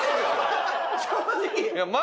正直。